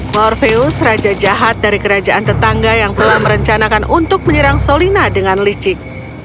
foreus raja jahat dari kerajaan tetangga yang telah merencanakan untuk menyerang solina dengan licik